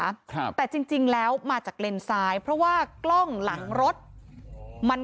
ครับแต่จริงจริงแล้วมาจากเลนซ้ายเพราะว่ากล้องหลังรถมัน